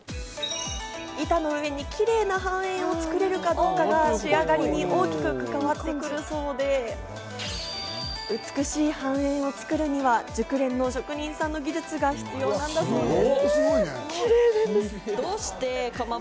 板の上にキレイな半円を作れるかどうかが仕上がりに大きく関わってくるそうで、美しい半円を作るには熟練の職人さんの技術が必要なんだそうです。